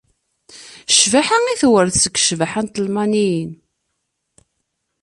Ccbaḥa i d-tewret seg ccbaḥa n telmaniyin.